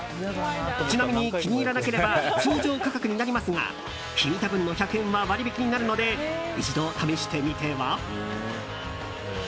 ちなみに、気に入らなければ通常価格になりますが引いた分の１００円は割引になるので一度試してみては？